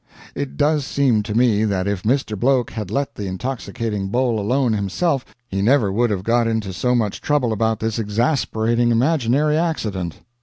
It does seem to me that if Mr. Bloke had let the intoxicating bowl alone himself, he never would have got into so much trouble about this exasperating imaginary accident.